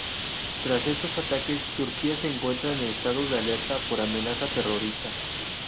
Tras estos ataques, Turquía se encuentra en estado de alerta por amenaza terrorista.